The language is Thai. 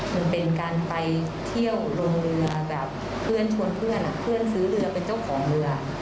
มันเป็นการไปเที่ยวลงเรือแบบเพื่อนชวนเพื่อนเพื่อนซื้อเรือเป็นเจ้าของเรือ